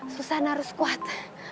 susan harus kuat